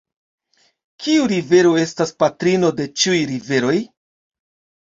Kiu rivero estas patrino de ĉiuj riveroj?